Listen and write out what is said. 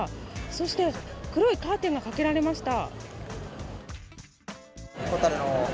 そして黒いカーテンがかけられました。